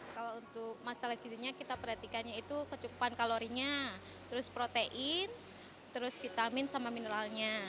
kalau untuk masalah gizinya kita perhatikannya itu kecukupan kalorinya terus protein terus vitamin sama mineralnya